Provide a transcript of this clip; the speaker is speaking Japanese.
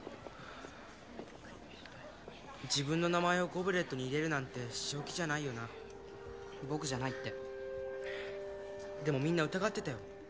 自分の名前をゴブレットに入れるなんて正気じゃないよな僕じゃないってでもみんな疑ってたよ